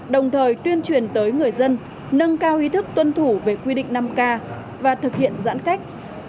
đồng thời tuyên truyền tới người dân nâng cao ý thức tuân thủ về quy định năm k và thực hiện giãn cách